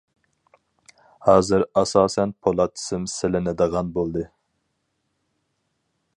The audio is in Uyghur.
ھازىر ئاساسەن پولات سىم سېلىنىدىغان بولدى.